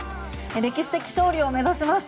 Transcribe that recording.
歴史的勝利を目指します。